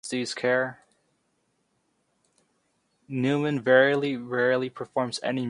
Seventy athletes participated and competed during this professionally timed event.